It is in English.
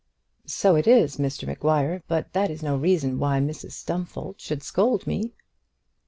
"So it is, Mr Maguire, but that is no reason why Mrs Stumfold should scold me."